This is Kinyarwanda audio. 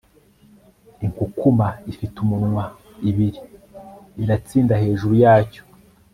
inkukuma ifite umunwa ibiri iratsinda hejuru yacyo